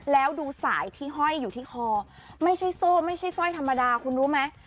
แล้วดูสายที่ห้อยอยู่ที่คอไม่ใช่โซ่ไม่ใช่สร้อยธรรมดาคุณรู้ไหม